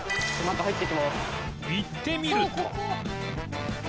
行ってみると